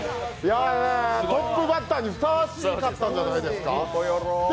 トップバッターにふさわしかったんじゃないですか。